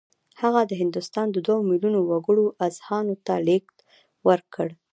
هغه د هندوستان د دوه میلیونه وګړو اذهانو ته لېږد ورکړ